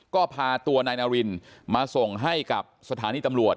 ก็พาตัวนายนารินมาส่งให้กับสถานีตำรวจ